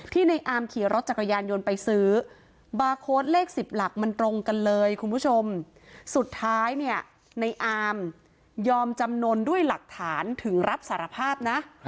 ในอาร์มขี่รถจักรยานยนต์ไปซื้อบาร์โค้ดเลข๑๐หลักมันตรงกันเลยคุณผู้ชมสุดท้ายเนี่ยในอามยอมจำนวนด้วยหลักฐานถึงรับสารภาพนะ